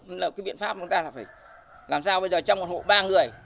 nên là cái biện pháp của người ta là phải làm sao bây giờ trong một hộ ba người